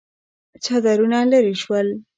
څادرونه ليرې شول.